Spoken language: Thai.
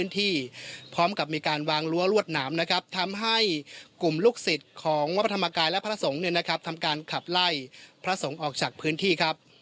ทำการขับไล่พระสงค์ออกจากพื้นที่